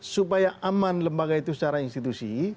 supaya aman lembaga itu secara institusi